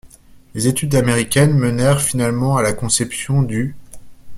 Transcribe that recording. Les études américaines menèrent finalement à la conception du '.